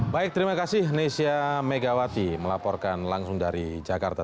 baik terima kasih nesya megawati melaporkan langsung dari jakarta